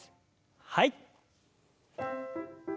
はい。